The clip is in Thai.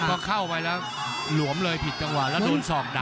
พอเข้าไปแล้วหลวมเลยผิดจังหวะแล้วโดนศอกดัก